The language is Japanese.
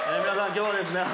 今日はですね